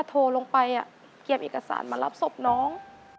ถ้าโทรลงไปเกียรติศาสตร์มารับศพน้อง